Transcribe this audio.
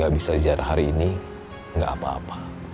gak bisa dijarah hari ini gak apa apa